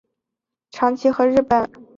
该物种的模式产地在长崎和日本。